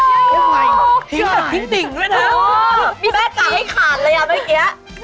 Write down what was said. แม่จังให้ขาดเลยอะเมื่อกี้